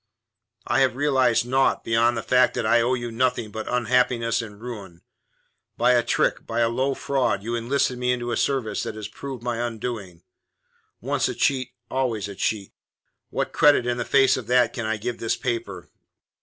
"I have realized naught beyond the fact that I owe you nothing but unhappiness and ruin. By a trick, by a low fraud, you enlisted me into a service that has proved my undoing. Once a cheat always a cheat. What credit in the face of that can I give this paper?"